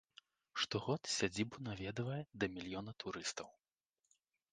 Штогод сядзібу наведвае да мільёна турыстаў.